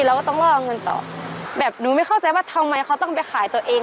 เราก็ต้องล่อเงินต่อแบบหนูไม่เข้าใจว่าทำไมเขาต้องไปขายตัวเอง